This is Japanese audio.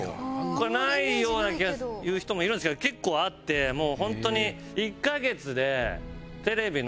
これないような気が言う人もいるんですけど結構あってもう本当に。